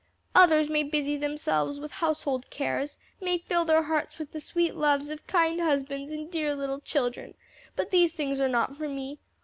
Others may busy themselves with household cares, may fill their hearts with the sweet loves of kind husbands and dear little children; but these things are not for me.